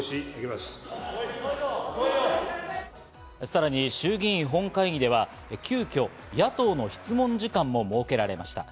さらに衆議院本会議では、急きょ野党の質問時間も設けられました。